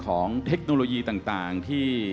เพราะฉะนั้นเราทำกันเนี่ย